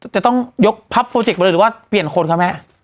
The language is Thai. จะต้องยกพับโปรเจคมาหรือเปลี่ยนคนครับแม่